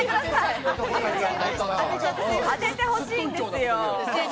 当ててほしいんですよ。